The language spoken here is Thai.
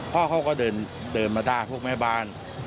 พ่อเขาก็เดินมาท่าพวกแม่บ้าน